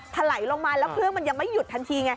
ไหลลงมาแล้วเครื่องมันยังไม่หยุดทันทีไง